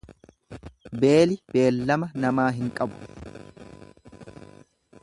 Beeli beellama namaa hin qabu.